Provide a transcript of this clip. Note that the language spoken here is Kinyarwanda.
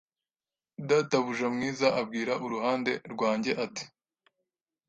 Databuja mwiza abwira uruhande rwanjye ati